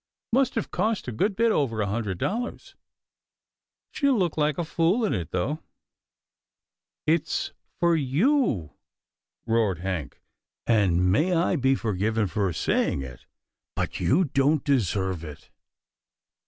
" Must have cost a good bit over a hundred dollars. She'll look like a fool in it, though." " It's for you," roared Hank, " and may I be forgiven for saying it, but you don't deserve it."